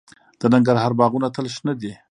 د ننګرهار باغونه تل شنه دي.